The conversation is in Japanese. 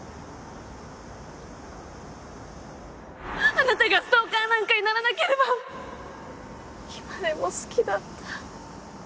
あなたがストーカーなんかにならなければ今でも好きだった。